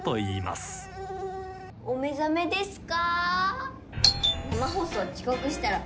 お目覚めですか？